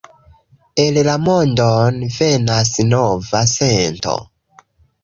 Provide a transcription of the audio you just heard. En la mondon venas nova sento